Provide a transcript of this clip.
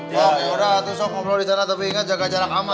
ya udah terus omong omong di sana tapi inget jaga jarak aman